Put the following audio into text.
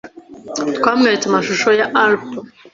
Twamweretse amashusho ya Alpes.